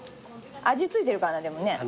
味付いてるからでもね。